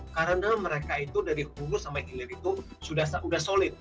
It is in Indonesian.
karena mereka itu dari hulu sampai hilir itu sudah solid